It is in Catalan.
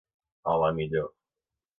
A la millor.